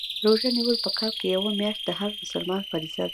روژه نیول په کال کي یوه میاشت د هر مسلمان فریضه ده